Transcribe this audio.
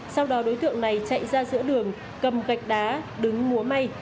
sau đó đối tượng này chạy ra giữa đường cầm gạch đá đứng múa may